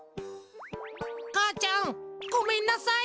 かあちゃんごめんなさい！